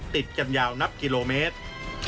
ติดกันยาวนับกิโลเมตร